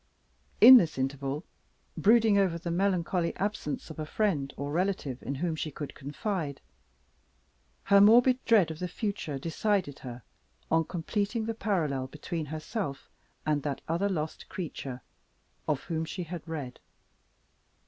In this interval, brooding over the melancholy absence of a friend or relative in whom she could confide, her morbid dread of the future decided her on completing the parallel between herself and that other lost creature of whom she had read.